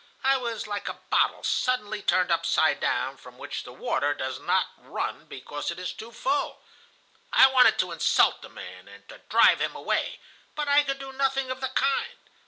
I was like a bottle suddenly turned upside down, from which the water does not run because it is too full. I wanted to insult the man, and to drive him away, but I could do nothing of the kind.